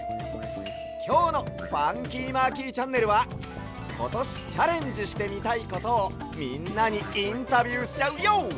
きょうの「ファンキーマーキーチャンネル」はことしチャレンジしてみたいことをみんなにインタビューしちゃうＹＯ！